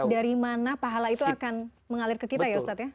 dari mana pahala itu akan mengalir ke kita ya ustadz ya